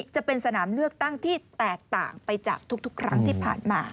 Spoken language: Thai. จะเป็นสนามเลือกตั้งที่แตกต่างไปจากทุกครั้งที่ผ่านมา